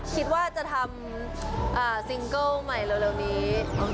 คิดว่าจะทำซิงเกิ้ลใหม่เร็วนี้